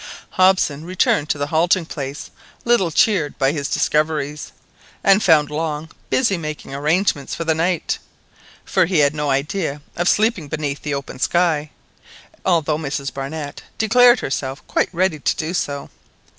Hobson returned to the halting place little cheered by his discoveries, and found Long busy making arrangements for the night; for he had no idea of sleeping beneath the open sky, although Mrs Barnett declared herself quite ready to do so.